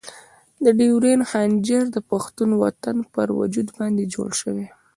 د ډیورنډ خنجر د پښتون وطن پر وجود باندې جوړ شوی.